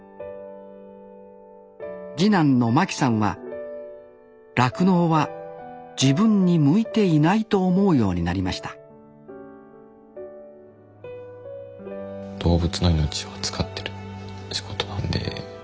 次男の真樹さんは酪農は自分に向いていないと思うようになりました全然。